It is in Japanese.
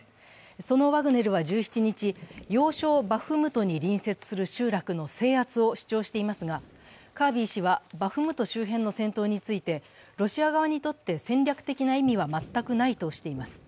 そのワグネルは１７日、要衝バフムトに隣接する集落の制圧を主張していますがカービー氏はバフムト周辺の戦闘についてロシア側にとって戦略的な意味は全くないとしています。